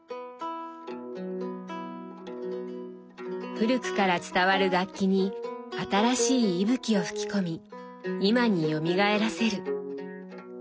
古くから伝わる楽器に新しい息吹を吹き込み今によみがえらせる。